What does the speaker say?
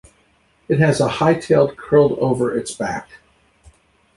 It has a high tailed curled over its back.